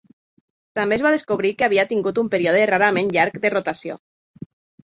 També es va descobrir que havia tingut un període rarament llarg de rotació.